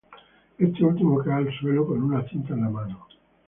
Este último cae al suelo con una cinta en la mano.